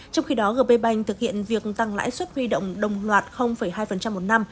trong khi đó gb bank thực hiện việc tăng lãi suất huy động đồng loạt hai một năm